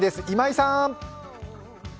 今井さん。